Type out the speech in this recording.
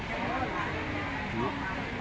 ทุกวันใหม่ทุกวันใหม่